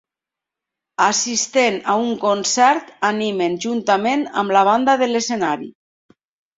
Assistent a un concert animen juntament amb la banda de l'escenari